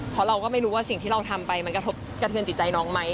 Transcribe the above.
เพราะเราก็ไม่รู้ว่าสิ่งที่เราทำไปมันกระทบกระเทือนจิตใจน้องไหม